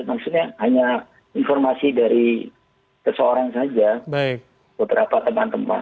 maksudnya hanya informasi dari seseorang saja beberapa teman teman